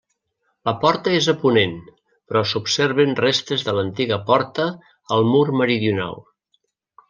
La porta és a ponent, però s'observen restes de l'antiga porta al mur meridional.